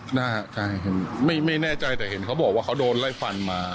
เห็นว่ามีคนมีกระดูกแปลกได้ครับได้ไม่แน่ใจแต่เห็นเขาบอกว่าเขาโดนไล่ฟันมา